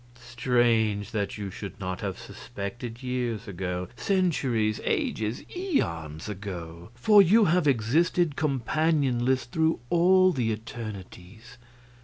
"Strange! that you should not have suspected years ago centuries, ages, eons, ago! for you have existed, companionless, through all the eternities.